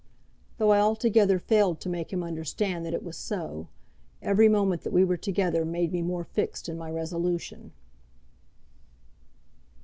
Though I altogether failed to make him understand that it was so, every moment that we were together made me more fixed in my resolution."